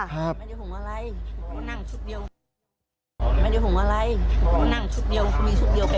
คุณยายไม่ได้เอาไฟหมดเลยค่ะ